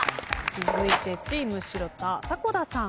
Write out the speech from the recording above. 続いてチーム城田迫田さん。